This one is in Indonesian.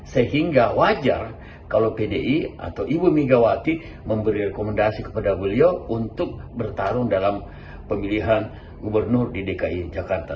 sehingga wajar kalau pdi atau ibu megawati memberi rekomendasi kepada beliau untuk bertarung dalam pemilihan gubernur di dki jakarta